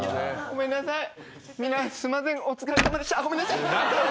ごめんなさい。